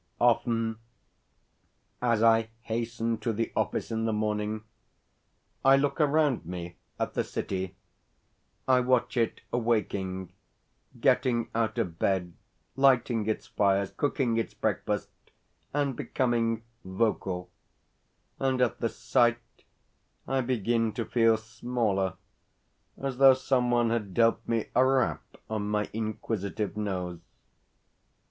Often, as I hasten to the office in the morning, I look around me at the city I watch it awaking, getting out of bed, lighting its fires, cooking its breakfast, and becoming vocal; and at the sight, I begin to feel smaller, as though some one had dealt me a rap on my inquisitive nose.